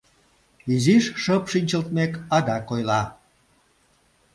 Изиш шып шинчылтмек, адак ойла: